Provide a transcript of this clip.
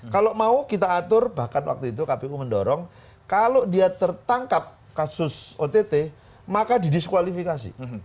kalau mau kita atur bahkan waktu itu kpu mendorong kalau dia tertangkap kasus ott maka didiskualifikasi